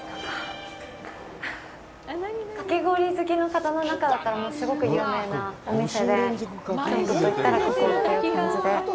かき氷好きの方の中だったらすごく有名なお店で京都といったら、ここという感じで。